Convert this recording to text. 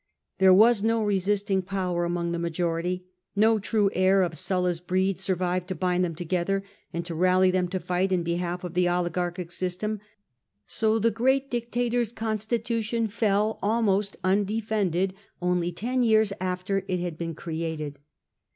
There was no resisting power among the majority — no true heir of Sulla's breed survived to bind them together and to rally them to fight in behalf of the oligarchic system. So the great dictator's constitution fell, almost undefended, only ten years after it had been created.